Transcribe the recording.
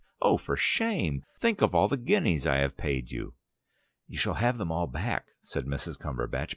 "Oh, for shame! Think of all the guineas I have paid you." "You shall have them all back," said Mrs. Cumberbatch.